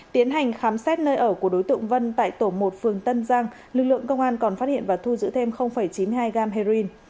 tiến hành khám xét nơi ở của đối tượng vân tại tổ một phường tân giang lực lượng công an còn phát hiện và thu giữ thêm chín mươi hai gram heroin